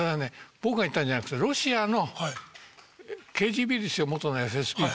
僕が言ったんじゃなくてロシアのＫＧＢですよ元のＦＳＢってのは。